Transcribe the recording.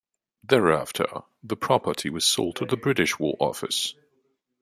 Thereafter, the property was sold to the British War Office.